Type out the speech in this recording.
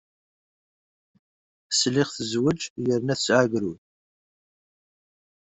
Sliɣ tezwej yerna tesɛa agrud.